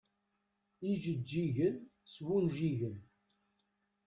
Ijeǧǧigen s wunjigen.